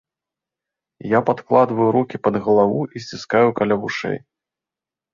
Я падкладваю рукі пад галаву і сціскаю каля вушэй.